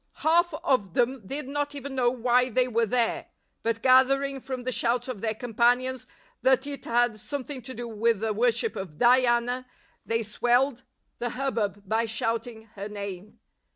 Half of them did not even know why they were there; but gathering from the shouts of their companions that it had something to do with the worship of Diana, they swelled the hubbub by shouting her name.